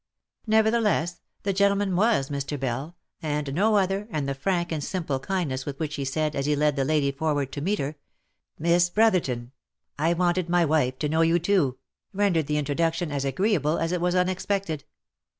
Nevertheless the gentleman was Mr. Bell, and no other, and the frank and simple kindness with which he said, as he led the lady forward to meet her, " Miss Brotherton ! I wanted my wife to know you too," rendered the in troduction as agreeable as it was unexpected.